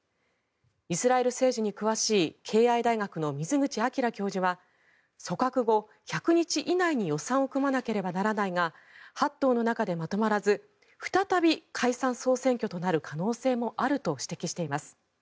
イスラエル政治に詳しい敬愛大学の水口章教授は組閣後１００日以内に予算を組まなければならないが８党の中でまとまらず再び解散・総選挙となる可能性もあると指摘しています。